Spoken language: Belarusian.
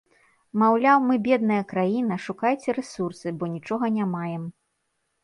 Маўляў, мы бедная краіна, шукайце рэсурсы, бо нічога не маем.